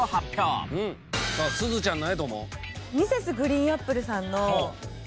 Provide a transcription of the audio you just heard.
さあすずちゃんなんやと思う？